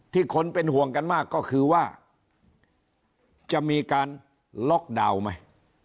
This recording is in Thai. คนเป็นห่วงกันมากก็คือว่าจะมีการล็อกดาวน์ไหม